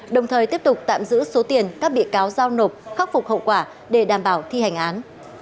đồng thời tiếp tục tạm giữ số tiền các bị cáo giao nộp khắc phục hậu quả để đảm bảo thi hành án